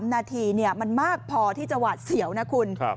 นาทีมันมากพอที่จะหวาดเสียวนะคุณ